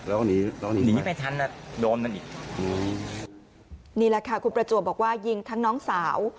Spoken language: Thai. แล้วก็หนีไปไหนนี่ละค่ะคุณประจวบบอกว่ายิงทั้งน้องสาว